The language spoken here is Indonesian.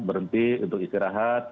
berhenti untuk istirahat